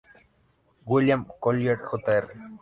William Collier, Jr.